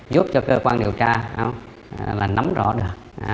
giúp cho cơ quan điều tra nắm rõ được